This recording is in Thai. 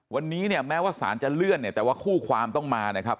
วันนี้เนี่ยแม้ว่าสารจะเลื่อนเนี่ยแต่ว่าคู่ความต้องมานะครับ